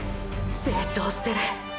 成長してる！